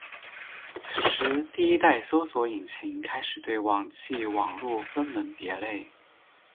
此时第一代搜寻引擎开始对网际网路分门别类。